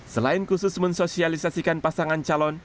selain khusus mensosialisasikan pasangan calon